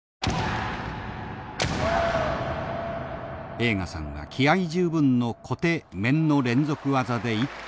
栄花さんは気合い十分の小手面の連続技で一本。